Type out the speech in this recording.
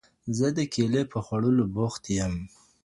زه د کیلې په خوړلو بوخت یم.